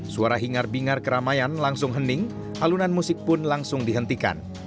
suara hingar bingar keramaian langsung hening alunan musik pun langsung dihentikan